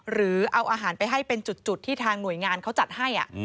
หรือเอาอาหารไปให้เป็นจุดที่ทางหน่วยงานเขาจัดให้